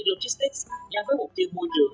logistics gian với mục tiêu môi trường